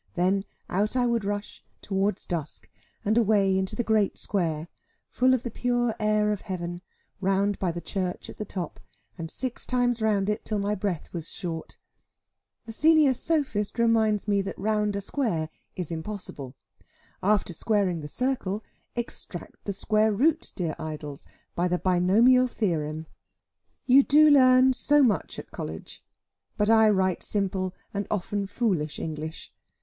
Then out I would rush, towards dusk, and away into the great square, full of the pure air of heaven, round by the church at the top, and six times round it till my breath was short. The senior sophist reminds me that round a square is impossible. After squaring the circle, extract the square root, dear Idols, by the binomial theorem. You do learn so much at college: but I write simple and often foolish English.